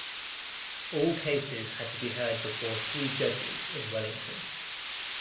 All cases had to be heard before three judges in Wellington.